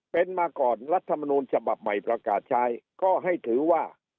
เป็นมาก่อนรัฐมนูลฉบับใหม่ประกาศใช้ก็ให้ถือว่า